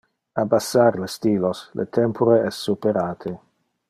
Abassar le stilos, le tempore es superate.